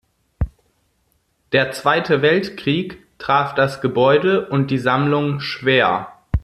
Der Zweite Weltkrieg traf das Gebäude und die Sammlung schwer.